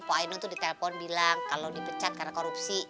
pak ainu itu ditelepon bilang kalau dipecat karena korupsi